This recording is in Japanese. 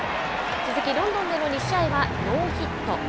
鈴木、ロンドンでの２試合はノーヒット。